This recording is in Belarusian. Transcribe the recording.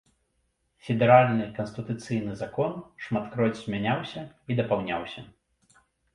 Федэральны канстытуцыйны закон шматкроць змяняўся і дапаўняўся.